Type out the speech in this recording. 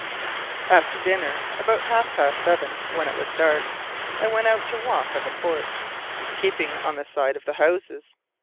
After dinner, about half past seven, when it was dark, I went out to walk on the port, keeping on the side of the houses.